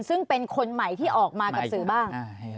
ซึ่งเป็นคนใหม่ที่ออกมากับสื่อบ้าง